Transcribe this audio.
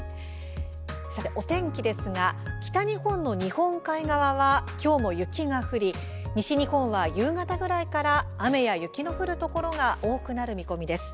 お天気ですが北日本の日本海側は今日も雪が降り西日本は夕方ぐらいから雨や雪の降るところが多くなる見込みです。